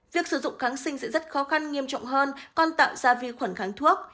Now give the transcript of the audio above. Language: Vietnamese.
việc sử dụng kháng sinh sẽ rất khó khăn nghiêm trọng hơn còn tạo ra vi khuẩn kháng thuốc